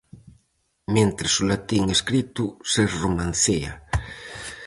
Mentres o latín escrito se romancea.